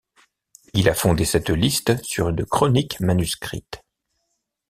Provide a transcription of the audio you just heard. Il a fondé cette liste sur une chronique manuscrite.